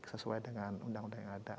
sesuai dengan undang undang yang ada